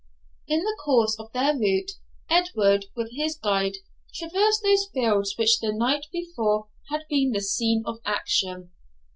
In the course of their route Edward, with his guide, traversed those fields which the night before had been the scene of action.